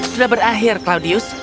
sudah berakhir claudius